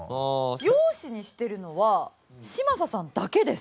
容姿にしているのは嶋佐さんだけです。